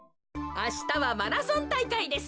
あしたはマラソンたいかいです。